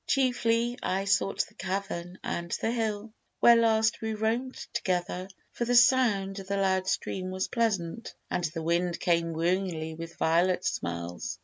Chiefly I sought the cavern and the hill Where last we roam'd together, for the sound Of the loud stream was pleasant, and the wind Came wooingly with violet smells.